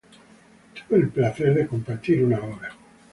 tuve el placer de compartir una hora